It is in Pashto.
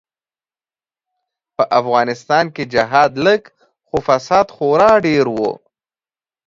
به افغانستان کی جهاد لږ خو فساد خورا ډیر وو.